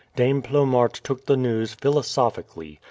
Dame Plomaert took the news philosophically.